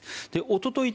おととい